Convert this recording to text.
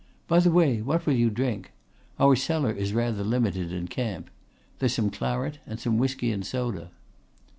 By the way what will you drink? Our cellar is rather limited in camp. There's some claret and some whisky and soda."